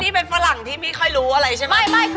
นี่เป็นฝรั่งที่ไม่ค่อยรู้อะไรใช่ไหม